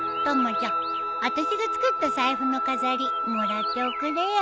ちゃんあたしが作った財布の飾りもらっておくれよ。